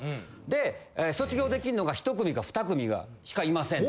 で卒業できるのが１組か２組しかいません。